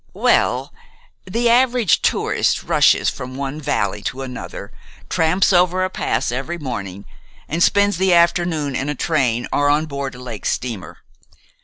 "Well, the average tourist rushes from one valley to another, tramps over a pass each morning, and spends the afternoon in a train or on board a lake steamer.